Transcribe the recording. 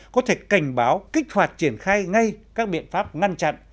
có thể cảnh báo kích hoạt triển khai ngay các biện pháp ngăn chặn